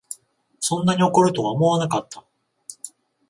そんなに怒るとは思わなかった